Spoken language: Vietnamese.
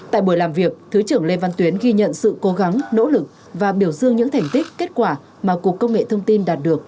tại buổi làm việc thứ trưởng lê văn tuyến ghi nhận sự cố gắng nỗ lực và biểu dương những thành tích kết quả mà cục công nghệ thông tin đạt được